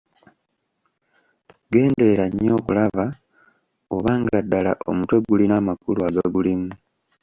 Genderera nnyo okulaba oba nga ddala omutwe gulina amakulu agagulimu.